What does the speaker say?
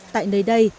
tại nơi đây